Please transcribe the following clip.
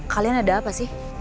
kalian ada apa sih